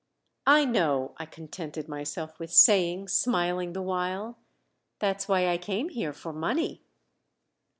"I know," I contented myself with saying, smiling the while. "That's why I came here for money."